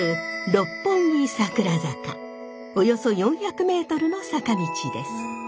およそ４００ｍの坂道です。